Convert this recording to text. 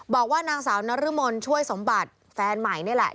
บอกว่านางสาวนรมนช่วยสมบัติแฟนใหม่นี่แหละ